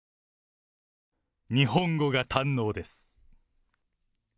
日本語が堪能です。